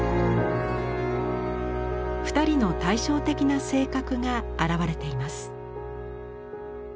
２人の対照的な性格が表れています。